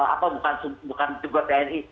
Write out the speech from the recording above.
apa bukan juga tni